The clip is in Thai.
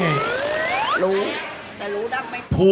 ไม่ธรรมดา